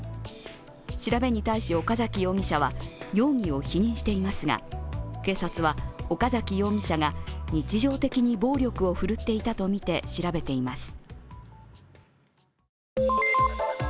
調べに対し岡崎容疑者は容疑を否認していますが、警察は、岡崎容疑者が日常的に暴力を振るっていたとみて調べています。